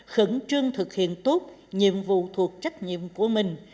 khẩn trương thực hiện tốt nhiệm vụ thuộc trách nhiệm của mình